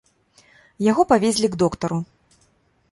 Яго павезлі к доктару.